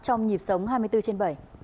trong nhịp sống hai mươi bốn trên bảy